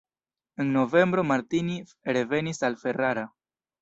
En novembro Martini revenis al Ferrara.